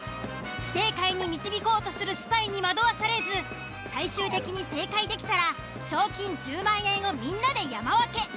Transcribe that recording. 不正解に導こうとするスパイに惑わされず最終的に正解できたら賞金１０万円をみんなで山分け。